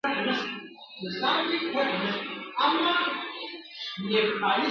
خوږه علمي ژباړن؛ محمد نعيم آزاد